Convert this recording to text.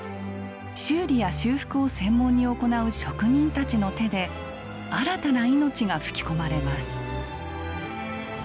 修理や修復を専門に行う職人たちの手で新たな命が吹き込まれます。